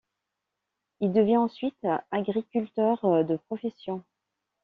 Il devient ensuite agriculteur de profession.